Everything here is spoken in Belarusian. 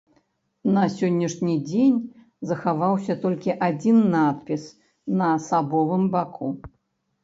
На сённяшні дзень захаваўся толькі адзін надпіс на асабовым баку.